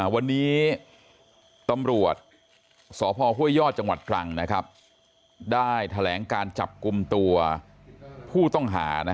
วันนี้ตำรวจสพห้วยยอดจังหวัดตรังได้แถลงการจับกลุ่มตัวผู้ต้องหา